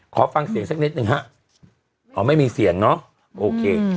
ขอฟังเสียงสักนิดหนึ่งฮะอ๋อไม่มีเสียงเนอะโอเค